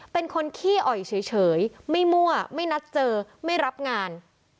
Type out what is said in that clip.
เป็นคนขี้อ่อยเฉยไม่มั่วไม่นัดเจอไม่รับงาน